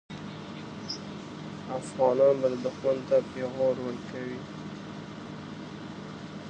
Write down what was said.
افغانان به دښمن ته پېغور ورکوي.